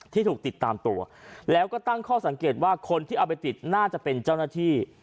ที่ถูกติดตามตัวแล้วก็ตั้งข้อสังเกตว่าคนที่เอาไปติดน่าจะเป็นเจ้าหน้าที่